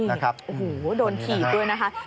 โอ้โหโดนถีบด้วยนะคะ